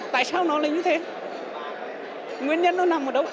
tại sao nó như thế nguyên nhân nó nằm ở đâu